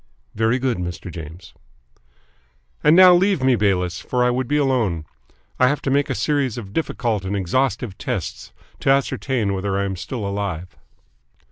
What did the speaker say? "Very good, Mr. James." "And now leave me, Bayliss, for I would be alone. I have to make a series of difficult and exhaustive tests to ascertain whether I am still alive."